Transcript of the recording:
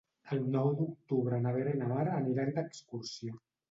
El nou d'octubre na Vera i na Mar aniran d'excursió.